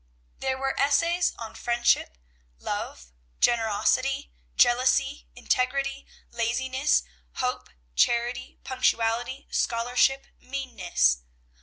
There were essays on friendship, love, generosity, jealousy, integrity, laziness, hope, charity, punctuality, scholarship, meanness.